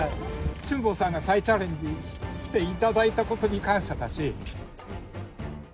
辛坊さんが再チャレンジしていただいたことに感謝だし。